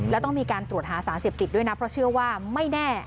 แล้วต้องมีการตรวจหาสารเสพติดด้วยนะเพราะเชื่อว่าไม่แน่